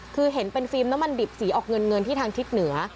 คือเห็นเป็นฟิล์มน้ำมันดิบสีออกเงินที่ทางทิศเหนือ